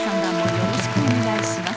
よろしくお願いします。